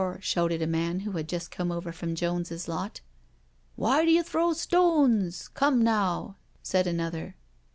shouted a man who had just come over from Jones's lot. "Why do you throw stones? — come now I" said another.